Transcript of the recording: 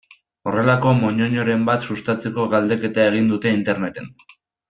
Horrelako moñoñoren bat sustatzeko galdeketa egin dute Interneten.